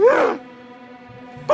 gak ada lu